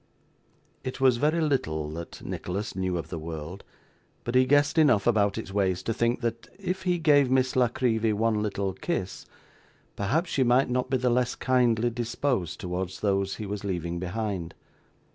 It was very little that Nicholas knew of the world, but he guessed enough about its ways to think, that if he gave Miss La Creevy one little kiss, perhaps she might not be the less kindly disposed towards those he was leaving behind.